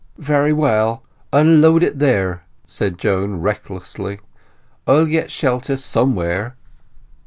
"Very well—unload it here," said Joan recklessly. "I'll get shelter somewhere."